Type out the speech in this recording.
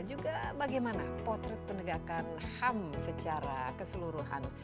juga bagaimana potret penegakan ham secara keseluruhan